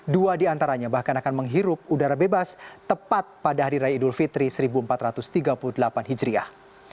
dua diantaranya bahkan akan menghirup udara bebas tepat pada hari raya idul fitri seribu empat ratus tiga puluh delapan hijriah